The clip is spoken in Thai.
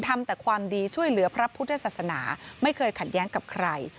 ทำแต่ความดีช่วยเหลือพระพุทธศาสนาไม่เคยขัดแย้งกับใคร